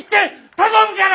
頼むから！